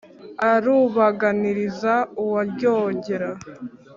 arabúganiriza uwa rwógéra